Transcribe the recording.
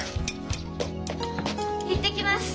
行ってきます。